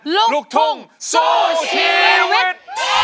ลูกทุ่งสู้ชีวิต